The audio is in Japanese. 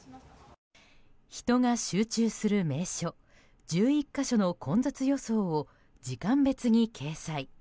人が集中する名所１１か所の混雑予想を時間別に掲載。